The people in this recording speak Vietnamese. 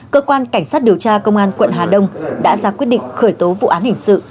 cơ quan cảnh sát điều tra công an quận hà đông đã ra quyết định khởi tố vụ án hình sự